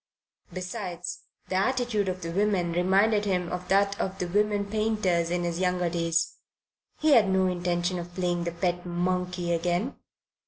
Besides, the attitude of the women reminded him of that of the women painters in his younger days. He had no intention of playing the pet monkey again.